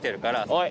はい。